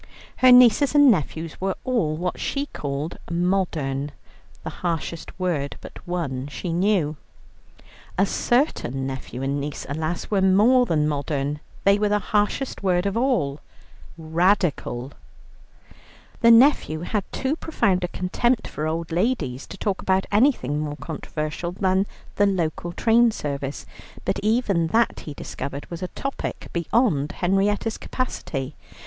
Her nieces and nephews were all what she called "modern," the harshest word but one she knew. A certain nephew and niece, alas, were more than modern they were the harshest word of all, "Radical." The nephew had too profound a contempt for old ladies to talk about anything more controversial than the local train service, but even that he discovered was a topic beyond Henrietta's capacity.